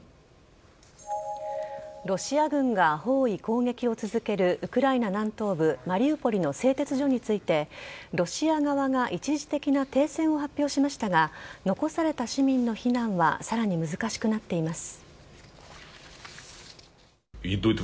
ロシア軍が包囲・攻撃を続けるウクライナ南東部マリウポリの製鉄所についてロシア側が一時的な停戦を発表しましたが残された市民の避難はさらに難しくなっています。